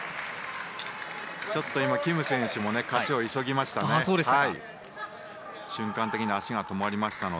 ちょっとキム選手も勝ちを急ぎましたね。